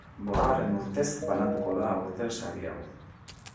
Bosgarren urtez banatuko da aurten sari hau.